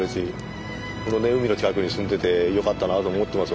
このね海の近くに住んでてよかったなと思ってます